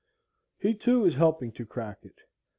He too is helping to crack it.